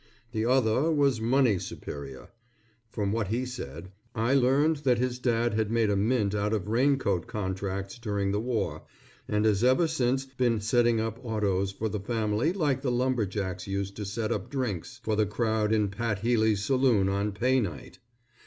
The other was money superior. From what he said, I learned that his dad had made a mint out of raincoat contracts during the war, and has ever since been setting up autos for the family like the lumber jacks used to set up drinks for the crowd in Pat Healey's saloon on pay night.